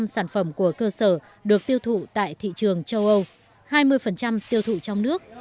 năm sản phẩm của cơ sở được tiêu thụ tại thị trường châu âu hai mươi tiêu thụ trong nước